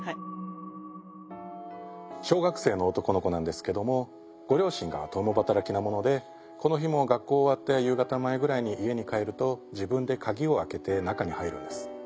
小学生の男の子なんですけどもご両親が共働きなものでこの日も学校終わって夕方前ぐらいに家に帰ると自分でカギを開けて中に入るんです。